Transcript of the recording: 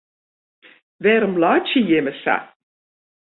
Wêrom laitsje jimme sa?